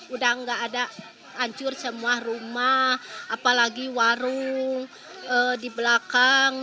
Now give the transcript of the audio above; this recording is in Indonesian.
udah nggak ada hancur semua rumah apalagi warung di belakang